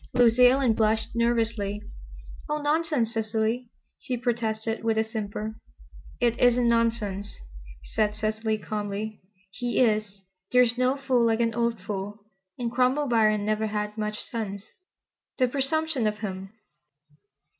Lucy Ellen blushed nervously. "Oh, nonsense, Cecily," she protested with a simper. "It isn't nonsense," said Cecily calmly. "He is. There is no fool like an old fool, and Cromwell Biron never had much sense. The presumption of him!"